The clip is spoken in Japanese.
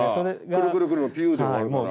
くるくるくるピューで終わるから。